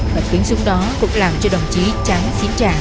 bật kính súng đó cũng làm cho đồng chí chán xín trả